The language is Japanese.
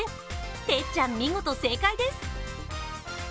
てっちゃん、見事正解です。